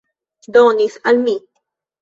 Donis al mi.